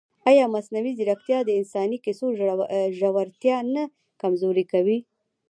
ایا مصنوعي ځیرکتیا د انساني کیسو ژورتیا نه کمزورې کوي؟